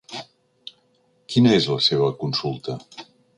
Quina és la seva consulta?